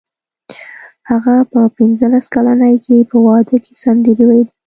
هغه په پنځلس کلنۍ کې په واده کې سندرې وویلې